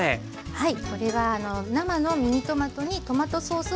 はい。